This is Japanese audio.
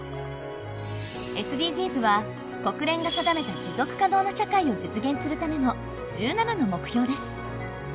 ＳＤＧｓは国連が定めた持続可能な社会を実現するための１７の目標です。